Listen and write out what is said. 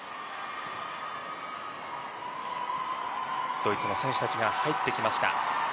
ドイツの選手たちが入ってきました。